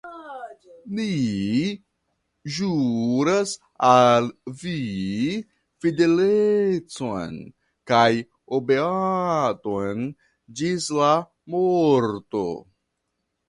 Ni ĵuras al vi fidelecon kaj obeadon ĝis la morto!